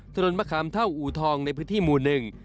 ถนนมะขามเท่าอูทองในพื้นที่หมู่หนึ่ง